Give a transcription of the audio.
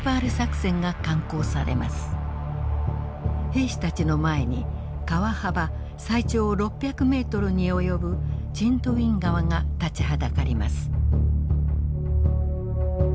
兵士たちの前に川幅最長６００メートルに及ぶチンドウィン河が立ちはだかります。